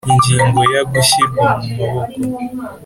Ingingo ya gushyirwa mu maboko